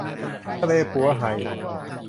ทะเลปั๋วไห่